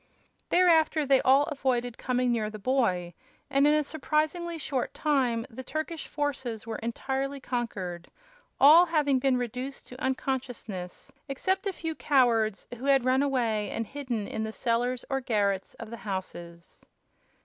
Thereafter they all avoided coming near the boy, and in a surprisingly short time the Turkish forces were entirely conquered, all having been reduced to unconsciousness except a few cowards who had run away and hidden in the cellars or garrets of the houses.